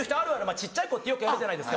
小っちゃい子ってよくやるじゃないですか。